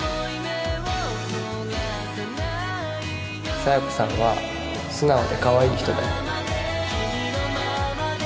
佐弥子さんは素直でかわいい人だよ